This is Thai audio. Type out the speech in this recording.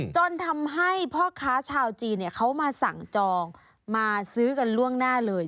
จนทำให้พ่อค้าชาวจีนเขามาสั่งจองมาซื้อกันล่วงหน้าเลย